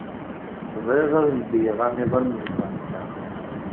Bɣiɣ ad ledyeɣ amiḍan n tbanka.